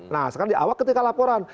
nah sekarang diawak ketika laporan